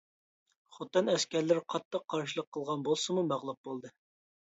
خوتەن ئەسكەرلىرى قاتتىق قارشىلىق قىلغان بولسىمۇ، مەغلۇپ بولدى.